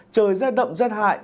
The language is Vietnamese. trời rét đậm rét hại